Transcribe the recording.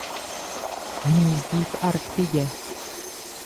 Hnízdí v Arktidě.